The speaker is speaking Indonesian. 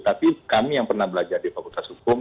tapi kami yang pernah belajar di fakultas hukum